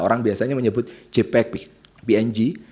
orang biasanya menyebut jepek png